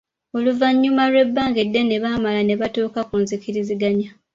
Oluvannyuma lw'ebbanga eddene, baamala ne batuuka ku nzikiriziganya.